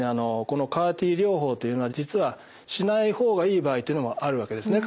このＣＡＲ−Ｔ療法というのは実はしない方がいい場合というのもあるわけですね